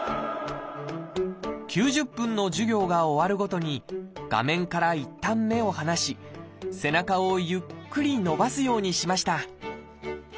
９０分の授業が終わるごとに画面からいったん目を離し背中をゆっくり伸ばすようにしました。